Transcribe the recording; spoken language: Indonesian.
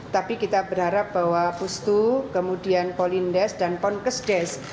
tapi kita berharap bahwa pustu kemudian polindes dan ponkesdes